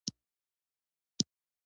د زرنج دلارام سړک چا جوړ کړ؟